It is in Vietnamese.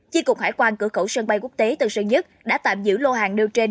chi cục hải quan cửa khẩu sân bay quốc tế tân sơn nhất đã tạm giữ lô hàng nêu trên